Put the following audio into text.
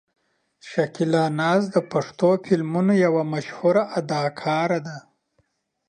شکیلا ناز د پښتو فلمونو یوه مشهوره اداکاره ده.